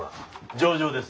上々です。